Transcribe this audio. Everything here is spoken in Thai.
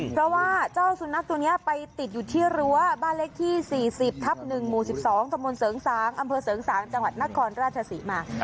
เพราะว่าเจ้าสุนัขตัวนี้ไปติดอยู่ที่รั้วบ้านเลขที่๔๐ทับ๑หมู่๑๒ตะมนต์เสริงสางอำเภอเสริงสางจังหวัดนครราชศรีมา